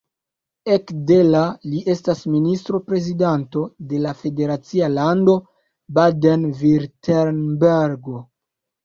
Ekde la li estas ministro-prezidanto de la federacia lando Baden-Virtembergo.